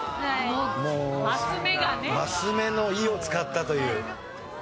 マス目の「井」を使ったという。